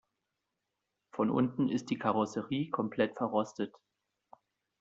Von unten ist die Karosserie komplett verrostet.